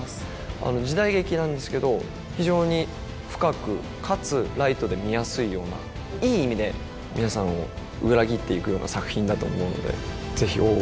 あの時代劇なんですけど非常に深くかつライトで見やすいようないい意味で皆さんを裏切っていくような作品だと思うのでぜひ「大奥」